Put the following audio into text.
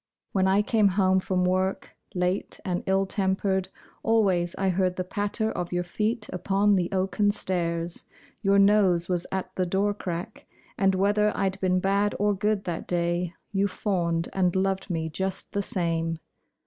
When I came home from work, Late and ill tempered, Always I heard the patter of your feet upon the oaken stairs; Your nose was at the door crack; And whether I'd been bad or good that day You fawned, and loved me just the same.